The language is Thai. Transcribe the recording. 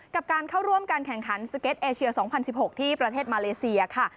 กับการเข้าร่วมการแข่งขันสเก็ตเอเชีย๒๐๑๖ที่ประเทศมาเลเซียค่ะ